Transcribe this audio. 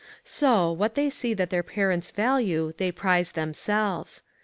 So, what they see that their parents value they prize themselves.